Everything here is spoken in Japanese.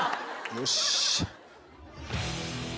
よし。